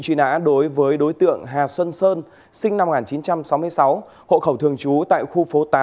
truy nã đối với đối tượng hà xuân sơn sinh năm một nghìn chín trăm sáu mươi sáu hộ khẩu thường trú tại khu phố tám